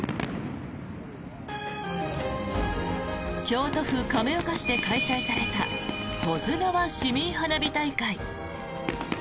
京都府亀岡市で開催された保津川市民花火大会。